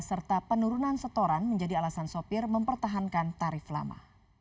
serta penurunan setoran menjadi alasan sopir mempertahankan tarif lama